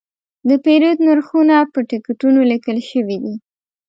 د پیرود نرخونه په ټکټونو لیکل شوي.